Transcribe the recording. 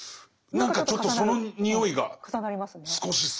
何かちょっとそのにおいが少しする。